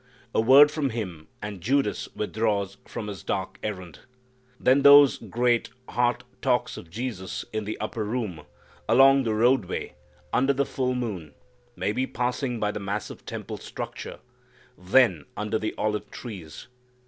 A word from Him and Judas withdraws for his dark errand. Then those great heart talks of Jesus, in the upper room, along the roadway, under the full moon, maybe passing by the massive temple structure, then under the olive trees.